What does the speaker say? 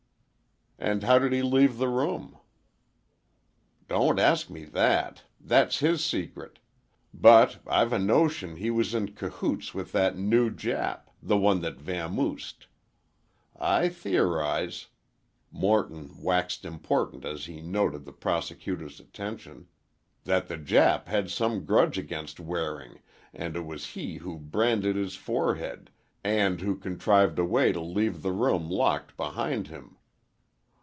"And how did he leave the room?" "Don't ask me that! That's his secret. But, I've a notion he was in cahoots with that new Jap, the one that vamoosed. I theorize," Morton waxed important as he noted the Prosecutor's attention, "that the Jap had some grudge against Waring, and it was he who branded his forehead, and who contrived a way to leave the room locked behind him.